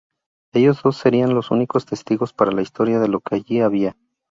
Ellos dos serían los únicos testigos para la historia de lo que allí había...